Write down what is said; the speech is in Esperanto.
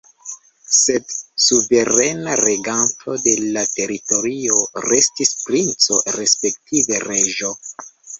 Sed suverena reganto de la teritorio restis princo, respektive reĝo.